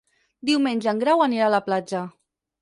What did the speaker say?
Diumenge en Grau anirà a la platja.